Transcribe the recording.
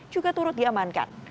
juga turut diamankan